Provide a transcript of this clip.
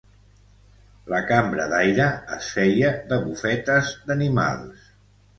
La cambra d’aire es feia de bufetes d’animals.